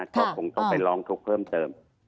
ก็คงต้องไปร้องทุกเครื่องเติม